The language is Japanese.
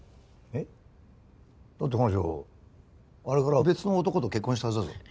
あれから別の男と結婚したはずだぞ。